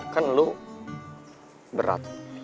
kan lo berat